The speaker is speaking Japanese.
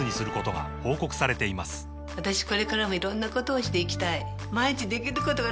私これからもいろんなことをしていきたい